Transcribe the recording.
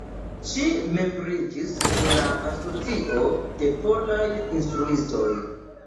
Ŝi membriĝis en la Asocio de Polaj Instruistoj.